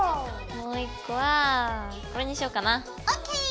もう１個はこれにしようかな。ＯＫ！